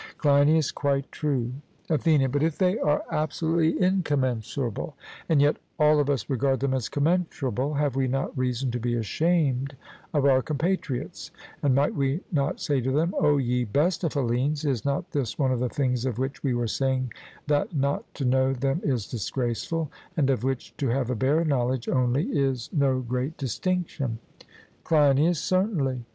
CLEINIAS: Quite true. ATHENIAN: But if they are absolutely incommensurable, and yet all of us regard them as commensurable, have we not reason to be ashamed of our compatriots; and might we not say to them: O ye best of Hellenes, is not this one of the things of which we were saying that not to know them is disgraceful, and of which to have a bare knowledge only is no great distinction? CLEINIAS: Certainly.